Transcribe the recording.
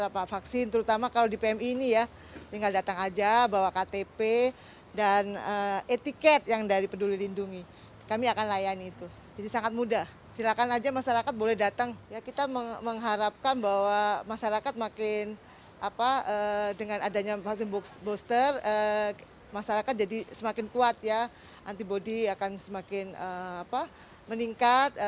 masyarakat jadi semakin kuat ya antibody akan semakin meningkat